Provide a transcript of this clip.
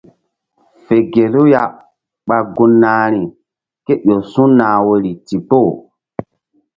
Fe gelu ya ɓa gun nahri kéƴo su̧nah woyri ndikpoh.